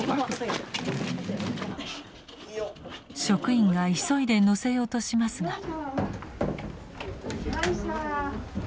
職員が急いで乗せようとしますが。